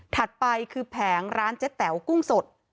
ไปคือแผงร้านเจ๊แต๋วกุ้งสด